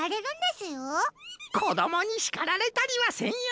こどもにしかられたりはせんよ。